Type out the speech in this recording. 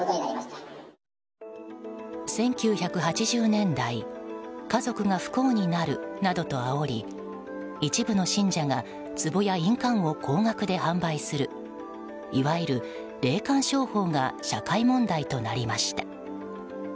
１９８０年代家族が不幸になるなどとあおり一部の信者がつぼや印鑑を高額で販売するいわゆる霊感商法が社会問題となりました。